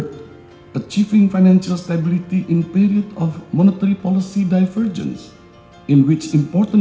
kedua mencapai stabilitas kebijakan ekonomi dalam periode divergenci polisi moneter